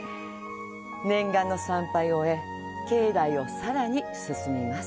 念願の参拝を終え境内をさらに進みます。